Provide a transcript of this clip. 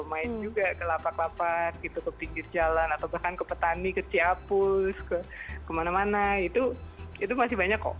main juga ke lapak lapak gitu ke pinggir jalan atau bahkan ke petani ke ciapus ke kemana mana itu itu masih banyak kok